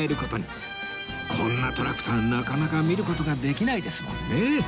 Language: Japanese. こんなトラクターなかなか見る事ができないですもんね